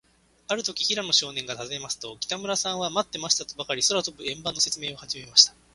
あるとき、平野少年がたずねますと、北村さんは、まってましたとばかり、空とぶ円盤のせつめいをはじめました。